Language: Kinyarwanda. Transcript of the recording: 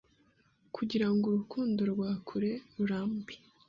Kugira ngo urukundo rwa kure rurambe